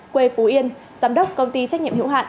quê phú yên giám đốc công ty trách nhiệm hữu hạn